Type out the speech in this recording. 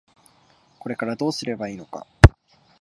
これからどうすればいいのか。